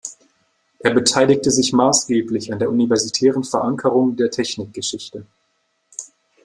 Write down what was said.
Er beteiligte sich maßgeblich an der universitären Verankerung der Technikgeschichte.